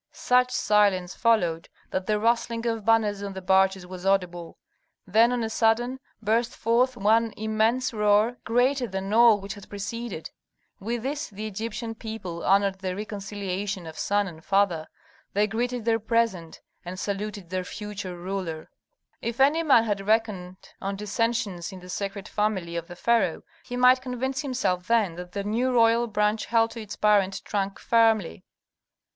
Such silence followed that the rustling of banners on the barges was audible. Then on a sudden burst forth one immense roar, greater than all which had preceded. With this the Egyptian people honored the reconciliation of son and father; they greeted their present, and saluted their future ruler. If any man had reckoned on dissensions in the sacred family of the pharaoh, he might convince himself then that the new royal branch held to its parent trunk firmly.